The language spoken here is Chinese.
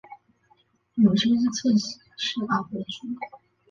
母亲是侧室阿波局。